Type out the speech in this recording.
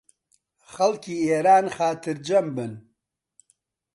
خەڵکی ئێران خاترجەم بن